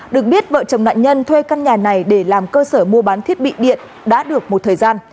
được biết vợ chồng nạn nhân thuê căn nhà này để làm cơ sở mua bán thiết bị điện đã được một thời gian